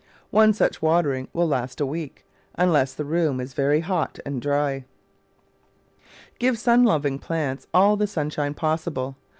One such watering will last a week, unless the room is very hot and dry. Give sun loving plants all the sunshine possible.